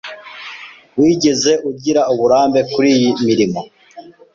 Wigeze ugira uburambe kuriyi mirimo?